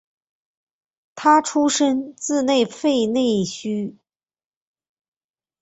他出身自因弗内斯的青训系统。